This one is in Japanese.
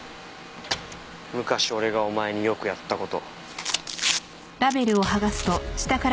昔俺がお前によくやった事。